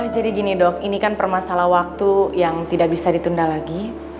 jadi gini dok ini kan permasalah waktu yang tidak bisa ditunda lagi